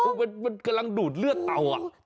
ตัวมันกำลังดูดเลือดเต่าใช่ง่าย